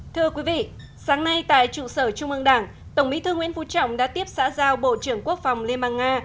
thưa quý vị sáng nay tại trụ sở trung ương đảng tổng bí thư nguyễn phú trọng đã tiếp xã giao bộ trưởng quốc phòng liên bang nga